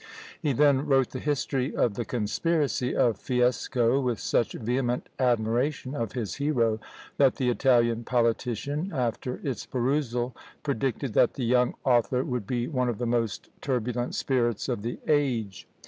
He then wrote the history of the conspiracy of Fiesco, with such vehement admiration of his hero, that the Italian politician, after its perusal, predicted that the young author would be one of the most turbulent spirits of the age!